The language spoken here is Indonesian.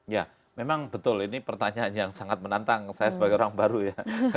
ya memang betul ini pertanyaan yang sangat menantang saya sebagai orang baru ya